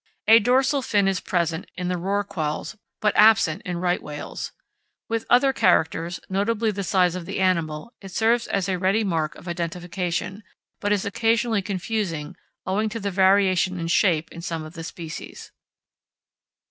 A dorsal fin is present in the rorquals but absent in right whales. With other characters, notably the size of the animal, it serves as a ready mark of identification, but is occasionally confusing owing to the variation in shape in some of the species.